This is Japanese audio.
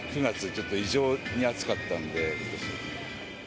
９月、ちょっと異常に暑かったんで、ことし。